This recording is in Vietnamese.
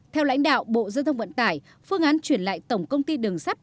theo lãnh đạo bộ giao thông vận tải phương án chuyển lại tổng công ty đường sắt